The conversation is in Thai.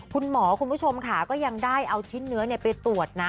คุณผู้ชมค่ะก็ยังได้เอาชิ้นเนื้อไปตรวจนะ